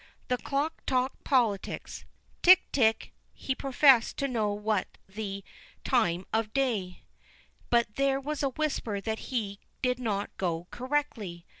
The clock talked politics—"tick, tick"; he professed to know what was the time of day, but there was a whisper that he did not go correctly.